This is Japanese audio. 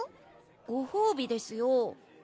ご褒美ですよ